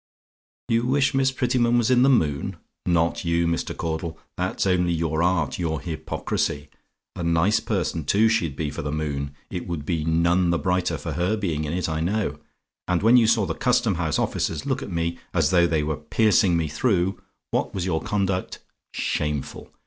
"YOU WISH MISS PRETTYMAN WAS IN THE MOON? "Not you, Mr. Caudle; that's only your art your hypocrisy. A nice person too she'd be for the moon: it would be none the brighter for her being in it, I know. And when you saw the Custom House officers look at me, as though they were piercing me through, what was your conduct? Shameful.